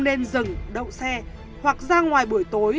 nên dừng đậu xe hoặc ra ngoài buổi tối